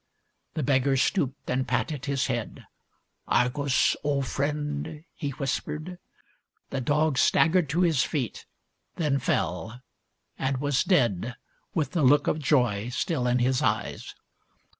The beggar stooped and patted his head. " Ar gos, old friend! " he whispered. The dog staggered to his feet, then fell, and was dead with the look of joy still in his eyes.